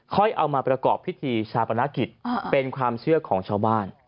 เอามาประกอบพิธีชาปนกิจเป็นความเชื่อของชาวบ้าน